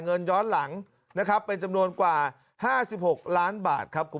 เงินย้อนหลังนะครับเป็นจำนวนกว่า๕๖ล้านบาทครับ